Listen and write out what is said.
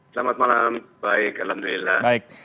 selamat malam baik alhamdulillah